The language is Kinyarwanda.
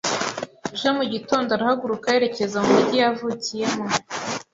Ejo mu gitondo arahaguruka yerekeza mu mujyi yavukiyemo.